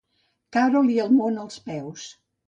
Caure-li el món als peus.